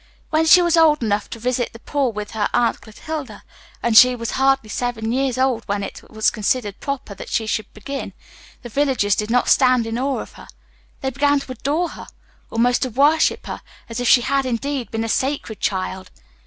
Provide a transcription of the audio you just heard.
When she was old enough to visit the poor with her Aunt Clotilde and she was hardly seven years old when it was considered proper that she should begin the villagers did not stand in awe of her. They began to adore her, almost to worship her, as if she had, indeed, been a sacred child.